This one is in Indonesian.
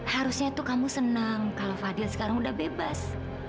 harusnya tuh kamu senang kalau fadil sekarang udah bebas